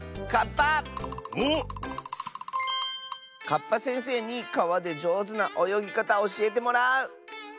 カッパせんせいにかわでじょうずなおよぎかたおしえてもらう！